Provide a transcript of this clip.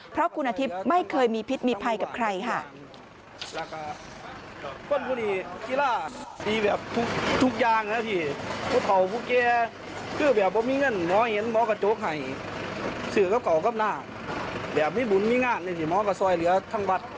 เพราะคุณอาทิตย์ไม่เคยมีพิษมีภัยกับใครค่ะ